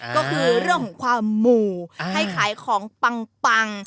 ก็คือเรื่องของความหมู่ให้ขายของปัง